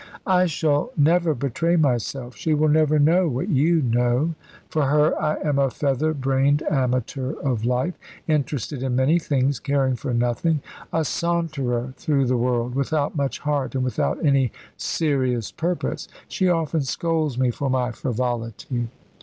"I shall never betray myself. She will never know what you know. For her I am a feather brained amateur of life; interested in many things, caring for nothing, a saunterer through the world, without much heart, and without any serious purpose. She often scolds me for my frivolity."